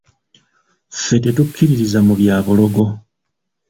Ffe tetukkiririza mu bya bulogo.